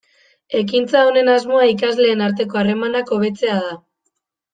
Ekintza honen asmoa ikasleen arteko harremanak hobetzea da.